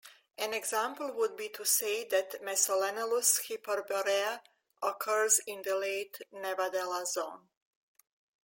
An example would be to say that "Mesolenellus hyperborea" occurs in the late "Nevadella"-zone.